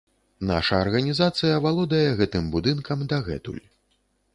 Наша арганізацыя валодае гэтым будынкам дагэтуль.